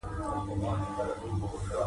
د باکتریاوو غذایي اړتیاوې په لاندې ډول دي.